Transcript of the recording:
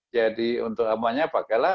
jadi untuk amannya pakailah